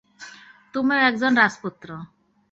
তুমি একজন রাজপুত্র?